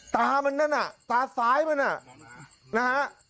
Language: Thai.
ตามันนั่นตาซ้ายมันนะ